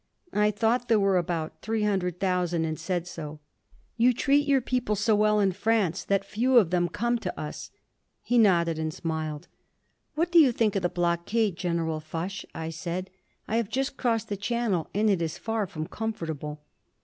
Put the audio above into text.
I thought there were about three hundred thousand, and said so. "You treat your people so well in France," I said, "that few of them come to us." He nodded and smiled. "What do you think of the blockade, General Foch?" I said. "I have just crossed the Channel and it is far from comfortable."